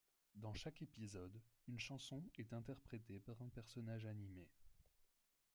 Dans chaque épisode, une chanson est interprétée par un personnage animé.